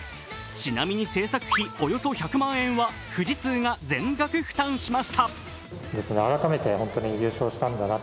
ちなみに製作費およそ１００万円は富士通が全額負担しました。